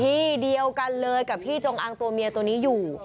ที่เดียวกันเลยกับพี่จงอางตัวเมียตัวนี้อยู่